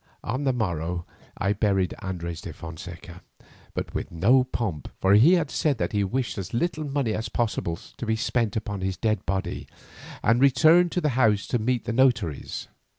On the morrow I buried Andres de Fonseca, but with no pomp, for he had said that he wished as little money as possible spent upon his dead body, and returned to the house to meet the notaries.